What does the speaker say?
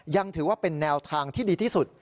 ยังถือว่าเป็นแนวทางที่ดีที่สุด